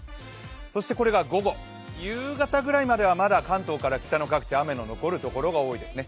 そしてこれが午後、夕方ぐらいまではまだ関東から北の各地雨の残るところが多いですね。